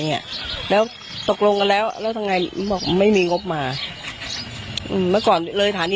ไปเตือนตอนนี้ไม่ได้ทำงาน